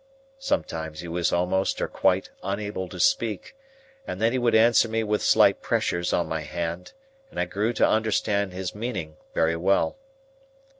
Sometimes he was almost or quite unable to speak, then he would answer me with slight pressures on my hand, and I grew to understand his meaning very well.